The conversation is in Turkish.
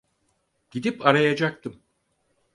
Gidip arayacaktım.